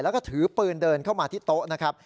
แล้วก็ถือปืนเดินเข้ามาที่โต๊ะนะครับ